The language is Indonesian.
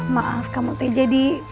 maaf kamu tak jadi